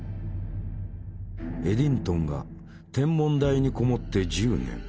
エディントンが天文台に籠もって１０年。